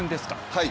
はい。